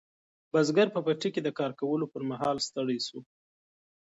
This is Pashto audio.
بزګر په پټي کې د کار کولو پر مهال ستړی شو.